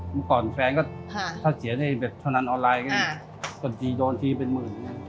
เมื่อก่อนแฟนก็ถ้าเสียในเว็บภรรณาออนไลน์ก็จะโดนทีเป็นหมื่น